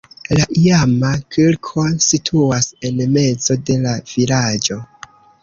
La iama kirko situas en mezo de la vilaĝo.